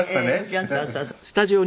「そうそうそうそう」